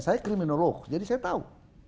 saya kriminolog jadi saya tahu